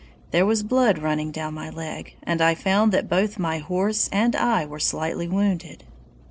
There was blood running down my leg, and I found that both my horse and I were slightly wounded.